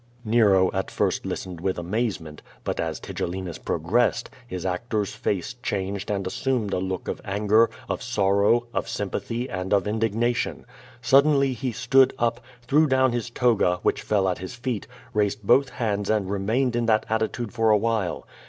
Nero at first listened with amazement, but as Tigellinus progressed, his actor's face changed and assumed a look of anger, of sorrow, of sympathy, flnd of indignation. Suddenly he stood up, threw down his toga, which fell at his feet, raised both hands and remained in that attitude for a while.